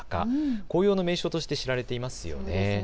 紅葉の名所として知られていますよね。